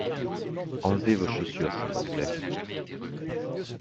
Enlevez-vos chaussures s'il vous plait.